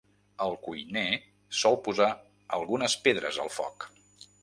El cuiner sol posar algunes pedres al foc.